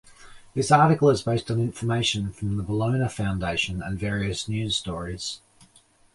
This article is based on information from the Bellona Foundation and various news stories.